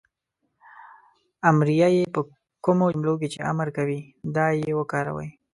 امریه "ئ" په کومو جملو کې چې امر کوی دا "ئ" وکاروئ